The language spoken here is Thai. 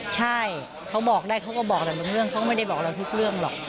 ใช่เขาบอกได้เขาก็บอกแต่บางเรื่องเขาไม่ได้บอกเราทุกเรื่องหรอก